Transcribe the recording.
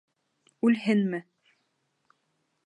Үлһенме?